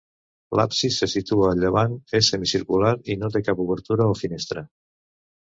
L'absis se situa al llevant, és semicircular i no té cap obertura o finestra.